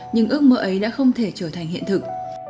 nhưng ước mơ ấy đã không thể trở thành hiện thực